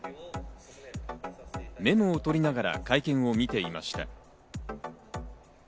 メモを取りながら会見を見ていました。